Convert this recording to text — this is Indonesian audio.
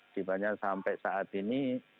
sehingga sampai saat ini